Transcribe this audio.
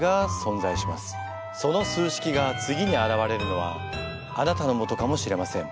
その数式が次にあらわれるのはあなたのもとかもしれません。